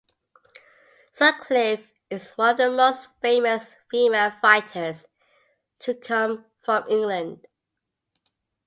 Sutcliffe is one of the most famous female fighters to come from England.